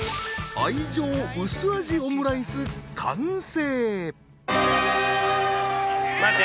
愛情うす味オムライス完成！